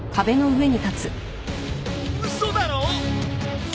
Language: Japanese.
嘘だろ！？